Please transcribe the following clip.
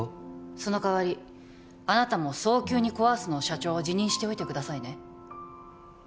その代わりあなたも早急にコ・アースの社長を辞任しておいてくださいね